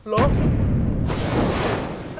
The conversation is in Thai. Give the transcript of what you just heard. หรือ